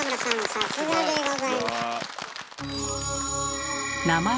さすがでございます。